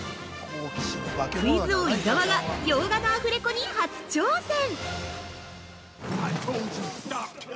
◆クイズ王・伊沢が洋画のアフレコに初挑戦！